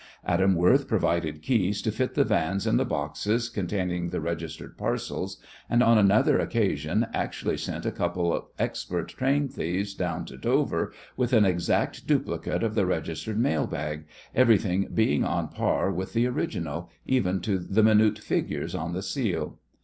Adam Worth provided keys to fit the vans and the boxes containing the registered parcels, and on another occasion actually sent a couple of expert train thieves down to Dover with an exact duplicate of the registered mail bag, everything being on a par with the original, even to the minute figures on the seal.